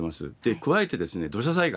加えて、土砂災害。